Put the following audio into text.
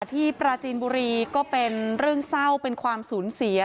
ปราจีนบุรีก็เป็นเรื่องเศร้าเป็นความสูญเสีย